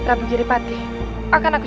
tidak ada yang bisa dikawal